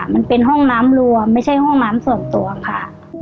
มันเป็นห้องน้ำรวมไม่ใช่ห้องน้ำส่วนตัวค่ะ